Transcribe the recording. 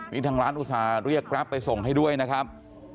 นี่ทางร้านอุตส่าห์เรียกแกรปไปส่งให้ด้วยนะครับ